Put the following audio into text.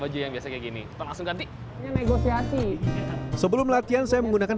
baju yang biasa kayak gini langsung gantinya negosiasi sebelum latihan saya menggunakan